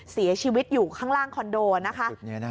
เสียชีวิตอยู่ข้างล่างคอนโดนะคะ